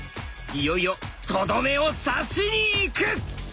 いよいよとどめを刺しにいく！